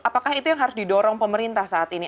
apakah itu yang harus didorong pemerintah saat ini